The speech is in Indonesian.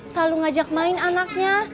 selalu ngajak main anaknya